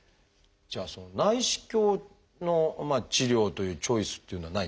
じゃあその内視鏡の治療というチョイスっていうのはないんですか？